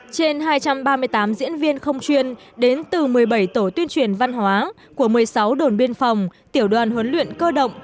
trên hai trăm ba mươi tám diễn viên không chuyên đến từ một mươi bảy tổ tuyên truyền văn hóa của một mươi sáu đồn biên phòng tiểu đoàn huấn luyện cơ động